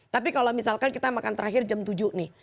tapi kalau misalkan kita makan terakhir jam tujuh nih